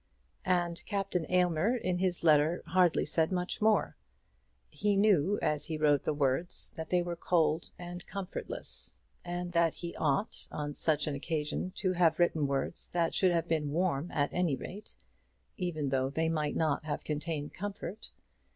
And Captain Aylmer in his letter hardly said much more. He knew, as he wrote the words, that they were cold and comfortless, and that he ought on such an occasion to have written words that should have been warm at any rate, even though they might not have contained comfort.